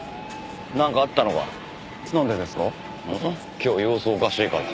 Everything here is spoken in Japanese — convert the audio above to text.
今日様子おかしいから。